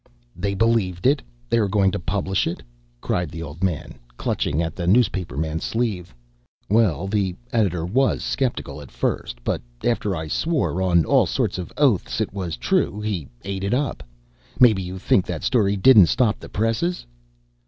"They believed it? They are going to publish it?" cried the old man, clutching at the newspaperman's sleeve. "Well, the editor was skeptical at first, but after I swore on all sorts of oaths it was true, he ate it up. Maybe you think that story didn't stop the presses!"